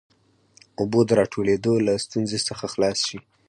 اوبو د راټولېدو له ستونزې څخه خلاص سي.